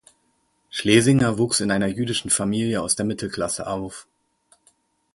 Schlesinger wuchs in einer jüdischen Familie aus der Mittelklasse auf.